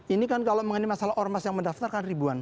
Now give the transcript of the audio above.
ini kan kalau mengenai masalah ormas yang mendaftarkan ribuan